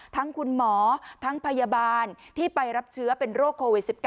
ทั้งคุณหมอทั้งพยาบาลที่ไปรับเชื้อเป็นโรคโควิด๑๙